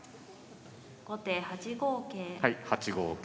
後手８五桂。